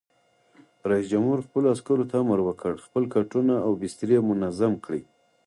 رئیس جمهور خپلو عسکرو ته امر وکړ؛ خپل کټونه او بسترې منظم کړئ!